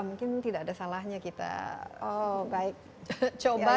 mungkin tidak ada salahnya kita coba